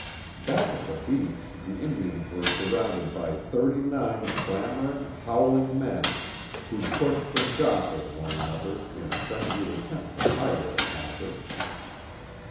Back at the beach the Indians were surrounded by thirty nine clamoring, howling men who pushed and jostled one another in a frenzied attempt to hire the packers.